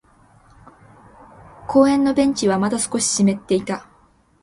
公園のベンチはまだ少し湿っていた。